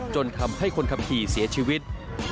จนทำให้คนขับขี่เสียชีวิต